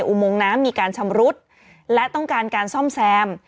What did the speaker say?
อุโมงน้ำมีการชำรุดและต้องการการซ่อมแซม